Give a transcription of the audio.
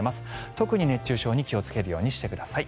特に熱中症に気をつけるようにしてください。